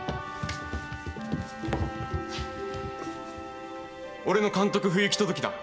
俺の監督不行き届きだ。